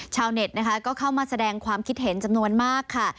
ชาวเน็ตนะคะก็เข้ามาแสดงความคิดเห็นจำนวนมากค่ะ